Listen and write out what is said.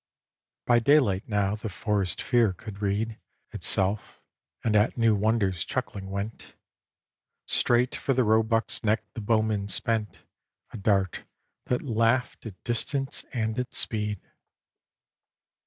XVIII By daylight now the forest fear could read Itself, and at new wonders chuckling went. Straight for the roebuck's neck the bowman spent A dart that laughed at distance and at speed.